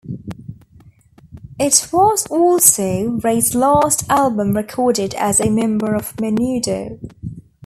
It was also Ray's last album recorded as a member of Menudo.